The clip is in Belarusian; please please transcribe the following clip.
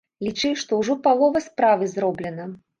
Лічы, што ўжо палова справы зроблена.